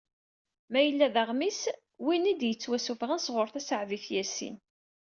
Mayella d aɣmis, win i d-yettwassufɣen sɣur Taseεdit Yasin.